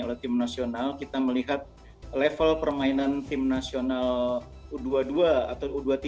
oleh tim nasional kita melihat level permainan tim nasional u dua puluh dua atau u dua puluh tiga